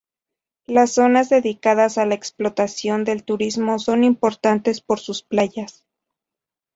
Las zonas dedicadas a la explotación del turismo son importantes por sus playas.